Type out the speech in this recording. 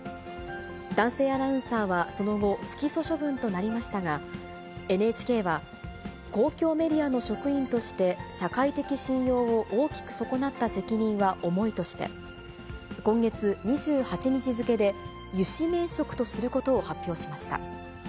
男性アナウンサーは、その後、不起訴処分となりましたが、ＮＨＫは、公共メディアの職員として、社会的信用を大きく損なった責任は重いとして、今月２８日付で諭旨免職とすることを発表しました。